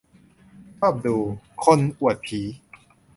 ชอบดู "คนอวดผี"